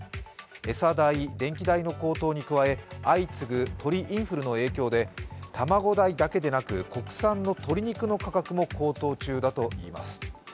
餌代、電気代の高騰に加え相次ぐ鳥インフルの影響で卵代だけでなく国産の鶏肉の価格も高騰中だといいます。